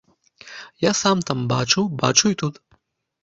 Я сам там бачыў, бачу і тут.